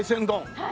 はい！